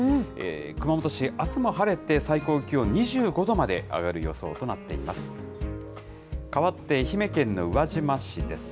熊本市、あすも晴れて、最高気温２５度まで上がる予想となっています。